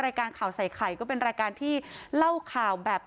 รายการข่าวใส่ไข่ก็เป็นรายการที่เล่าข่าวแบบ